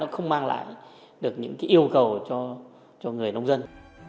không mang lại được những yêu cầu cho người nông dân